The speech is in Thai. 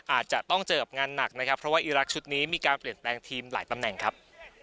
อาจจะต้องเจอกับงานหนักนะครับเพราะว่าอีรักษ์ชุดนี้มีการเปลี่ยนแปลงทีมหลายตำแหน่งครับ